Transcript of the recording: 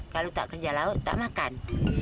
kalau tak kerja laut tak makan